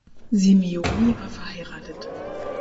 Simeoni war verheiratet.